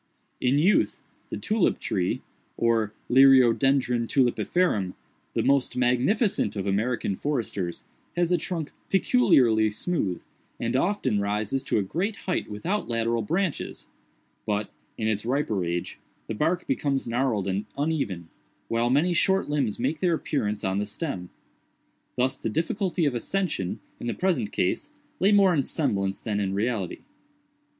In youth, the tulip tree, or Liriodendron Tulipferum, the most magnificent of American foresters, has a trunk peculiarly smooth, and often rises to a great height without lateral branches; but, in its riper age, the bark becomes gnarled and uneven, while many short limbs make their appearance on the stem. Thus the difficulty of ascension, in the present case, lay more in semblance than in reality.